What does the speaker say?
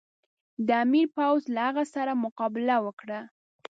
د امیر پوځ له هغه سره مقابله وکړه.